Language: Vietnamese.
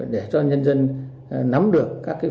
để cho nhân dân nắm được các cái